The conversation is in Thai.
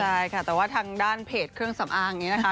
ใช่ค่ะแต่ว่าทางด้านเพจเครื่องสำอางอย่างนี้นะคะ